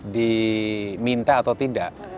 diminta atau tidak